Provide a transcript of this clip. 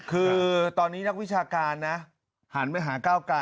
คือตอนนี้นักวิชาการนะหันไปหาก้าวไกล